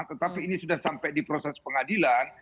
tetapi ini sudah sampai di proses pengadilan